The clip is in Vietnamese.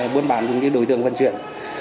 buôn bản đối tượng vận chuyển